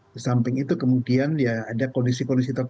di samping itu kemudian ya ada kondisi kondisi tertentu